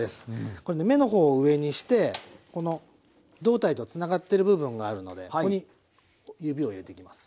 これね目の方を上にしてこの胴体とつながってる部分があるのでここに指を入れていきます。